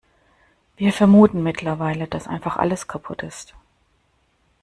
Wir vermuten mittlerweile, dass einfach alles kaputt ist.